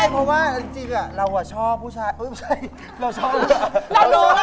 ขนจริงแล้วขนจริง